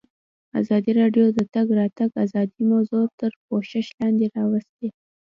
ازادي راډیو د د تګ راتګ ازادي موضوع تر پوښښ لاندې راوستې.